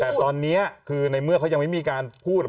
แต่ตอนนี้คือในเมื่อเขายังไม่มีการพูด